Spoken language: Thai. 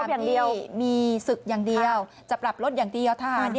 อย่างเดียวมีศึกอย่างเดียวจะปรับลดอย่างเดียวทหาร